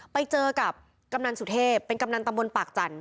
ไปเจอกับกำนันสุเทพเป็นกำนันตำบลปากจันท